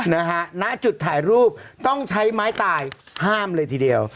นะฮะณจุดถ่ายรูปต้องใช้ไม้ตายห้ามเลยทีเดียว